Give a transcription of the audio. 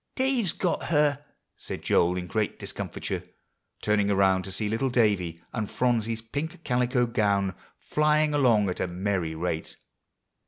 "Dave's got her," said Joel in great discomfiture, turning around to see little Davie and Phronsie's pink calico gown flying along at a merry rate.